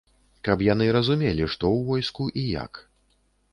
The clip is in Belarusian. Каб яны разумелі, што ў войску і як.